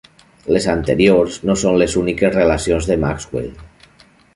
Les anteriors no són les úniques relacions de Maxwell.